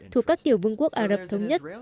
thuộc các tiểu vương quốc ả rập thống nhất